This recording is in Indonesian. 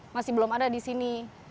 masih belum ada di sini